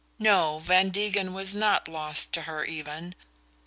No, Van Degen was not lost to her even!